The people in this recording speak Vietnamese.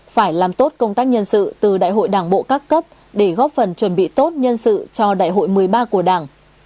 phải làm tốt công tác nhân sự từ đại hội đảng bộ các cấp để góp phần chuẩn bị tốt nhân sự cho đại hội một mươi ba của đảng